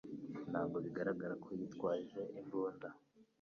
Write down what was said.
ntabwo bigaragara ko yitwaje imbunda.